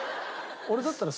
俺だったら。